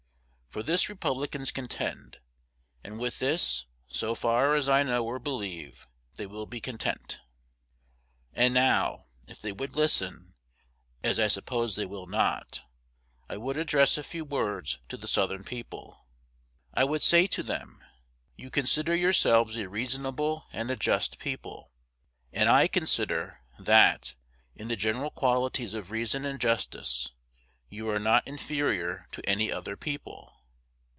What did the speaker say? For this Republicans contend, and with this, so far as I know or believe, they will be content. And now, if they would listen, as I suppose they will not, I would address a few words to the Southern people. I would say to them, You consider yourselves a reasonable and a just people; and I consider, that, in the general qualities of reason and justice, you are not inferior to any other people.